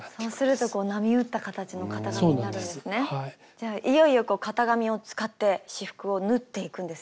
じゃあいよいよ型紙を使って仕覆を縫っていくんですね。